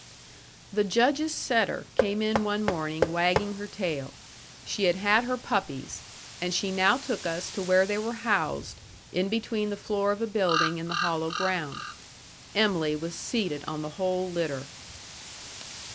The Judge's setter came in one morning, wagging her tail. She had had her puppies, and she now took us to where they were housed, in between the floor of a building and the hollow ground. Em'ly was seated on the whole litter.